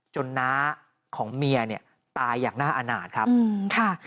จนนะของเมียเนี่ยตายอย่างหน้าอาหารครับ